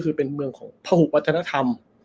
คือเป็นเมืองของพหุวัฒนธรรม